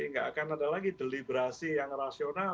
nggak akan ada lagi deliberasi yang rasional